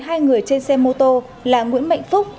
hai người trên xe mô tô là nguyễn mạnh phúc